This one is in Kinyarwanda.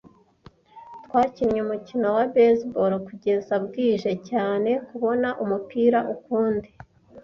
Twakinnye umukino wa baseball kugeza bwije cyane kubona umupira ukundi.